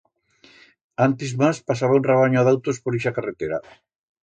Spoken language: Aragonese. Antes mas pasaba un rabanyo d'autos por ixa carretera.